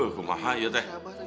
aku maha yuk teh